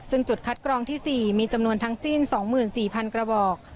ซึ่งจุดคัดกรองที่๔มีจำนวนทั้งสิ้น๒๔๐๐๐กระบอก